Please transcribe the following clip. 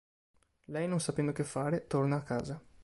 Lei, non sapendo che fare, torna a casa.